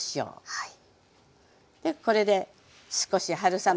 はい。